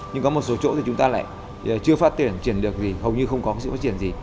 nhưng có một số chỗ thì chúng ta lại chưa phát triển triển được gì hầu như không có sự phát triển gì